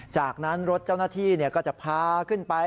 จากนั้นรถเจ้าหน้าที่ก็จะพาขึ้นไป